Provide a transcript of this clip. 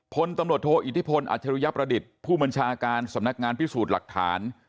พลตำรวจโทอิทธิพลอัจฉริยประดิษฐ์ผู้บัญชาการสำนักงานพิสูจน์หลักฐาน